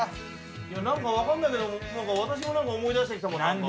いやなんかわかんないけど私も何か思い出してきたもんね。